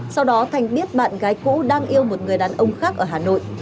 sau đó thành biết bạn gái cũ đang yêu một người đàn ông khác ở hà nội